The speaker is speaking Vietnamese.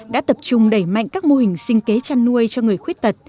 đã tập trung đẩy mạnh các mô hình sinh kế chăn nuôi cho người khuyết tật